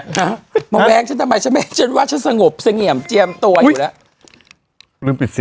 ฮะมาแว้งฉันทำไมฉันไม่ให้ฉันว่าฉันสงบเสงี่ยมเจียมตัวอยู่แล้วลืมปิดสิ